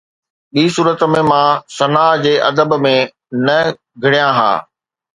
ٻي صورت ۾، مان ثناءَ جي ادب ۾ نه گهڙيان ها